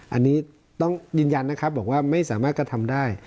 อันนี้ต้องยืนยันนะครับบอกว่าไม่สามารถกระทำได้